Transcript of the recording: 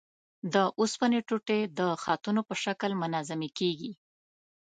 د اوسپنې ټوټې د خطونو په شکل منظمې کیږي.